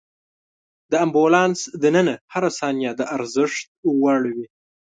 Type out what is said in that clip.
د امبولانس دننه هره ثانیه د ارزښت وړ وي.